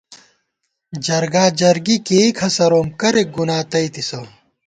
جرگا جرگی کېئ کھسَروم کرېک گُنا تئیتِسہ